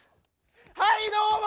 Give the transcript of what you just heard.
はいどうも！